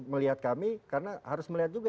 melihat kami karena harus melihat juga